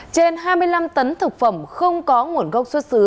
trên hai mươi năm tấn thực phẩm không có nguồn gốc xuất xứ